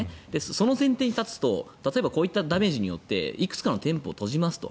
その前提に立つと、例えばこういったダメージによっていくつかの店舗を閉じますと。